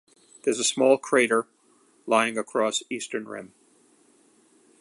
There is a small crater lying across eastern rim.